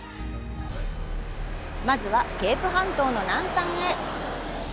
まずは、ケープ半島の南端へ。